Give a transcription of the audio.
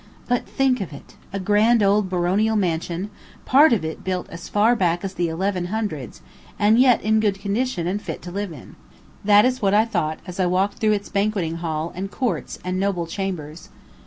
But think of it; a grand old baronial mansion, part of it built as far back as the eleven hundreds, and yet in good condition and fit to live in. That is what I thought as I walked through its banqueting hall and courts and noble chambers.